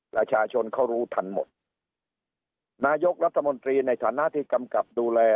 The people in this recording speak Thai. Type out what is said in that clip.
ประชาชนเขารู้ทันหมดนายกรัฐมนตรีในฐานะที่กำกับดูแล